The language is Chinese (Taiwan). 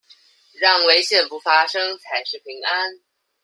讓危險不發生才是平安